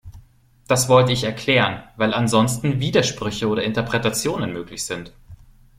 Das wollte ich erklären, weil ansonsten Widersprüche oder Interpretationen möglich sind.